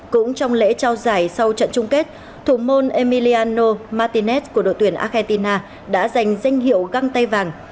cũng trong lễ trao giải sau trận chung kết thủ môn emilyano martinet của đội tuyển argentina đã giành danh hiệu găng tay vàng